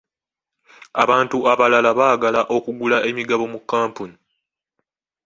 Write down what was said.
Abantu abalala baagala okugula emigabo mu kampuni.